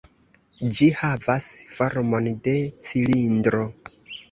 Ĝi havas formon de cilindro.